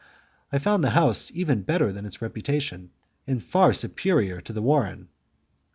I found the house even better than its reputation, and by far superior to the warren.